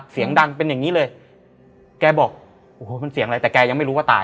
เสียงดังเป็นอย่างงี้เลยแกบอกโอ้โหมันเสียงอะไรแต่แกยังไม่รู้ว่าตาย